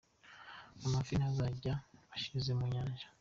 Amafi ntazapfa ashize munyanja.